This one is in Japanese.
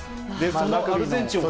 そのアルゼンチンを。